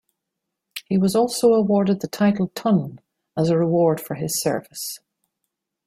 He was also awarded the title Tun as a reward for his service.